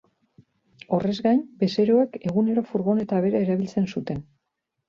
Horrez gain, bezeroek egunero furgoneta bera erabiltzen zuten.